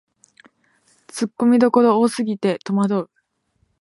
ツッコミどころ多すぎてとまどう